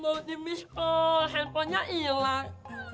mau dimiss call handphonenya hilang